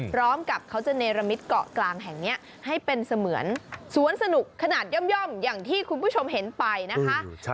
พร้อมกับเขาจะเนรมิตเกาะกลางแห่งนี้ให้เป็นเสมือนสวนสนุกขนาดย่อมอย่างที่คุณผู้ชมเห็นไปนะคะ